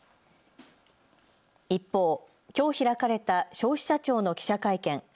一方、きょう開かれた消費者庁の記者会見。